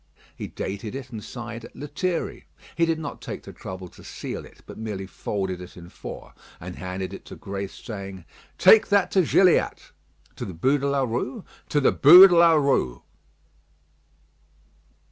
He dated it and signed "Lethierry." He did not take the trouble to seal it, but merely folded it in four, and handed it to Grace, saying: "Take that to Gilliatt." "To the Bû de la Rue?" "To the Bû de la Rue."